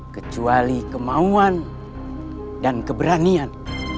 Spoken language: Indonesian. kecuali kemauan dan keberanian